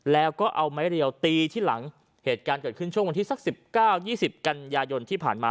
แล้วก็เอาไม้เรียวตีที่หลังเหตุการณ์เกิดขึ้นช่วงวันที่สักสิบเก้ายี่สิบกันยายนที่ผ่านมา